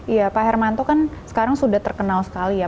iya pak hermanto kan sekarang sudah terkenal sekali ya